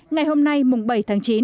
ngày hôm nay mùng bảy tháng chín